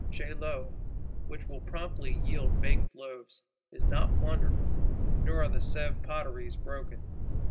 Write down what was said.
Chaillot, which will promptly yield baked loaves, is not plundered; nor are the Sèvres Potteries broken.